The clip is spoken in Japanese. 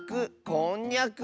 「こんにゃく」。